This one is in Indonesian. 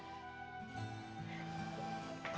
lepas nggak mau